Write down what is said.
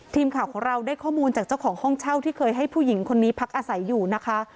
ทีมข่าวของเราได้ข้อมูลจากเจ้าของห้องเช่าที่เคยให้ผู้หญิงคนนี้พักอาศัยอยู่นะคะ